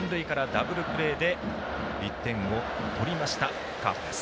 ダブルプレーで１点を取りましたカープです。